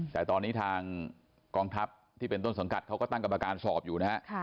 แต่ตอนนี้ทางกองทัพที่เป็นต้นสังกัดเขาก็ตั้งกรรมการสอบอยู่นะฮะ